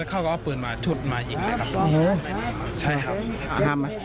เขาก็เอาปืนมาชุดมายิงเลยครับใช่ครับห้ามไหม